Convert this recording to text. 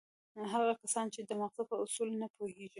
هغه کسان چې د ماغزو په اصولو نه پوهېږي.